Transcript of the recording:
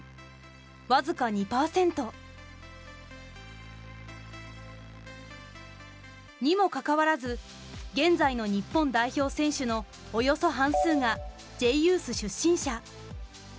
僅か２％。にもかかわらず現在の日本代表選手のおよそ半数がＪユース出身者。